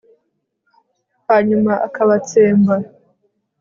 hanyuma akabatsemba